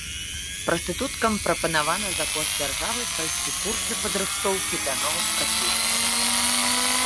Прастытуткам прапанавана за кошт дзяржавы прайсці курсы падрыхтоўкі да новых прафесій.